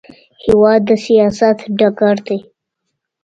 هېواد د سیاست ډګر دی.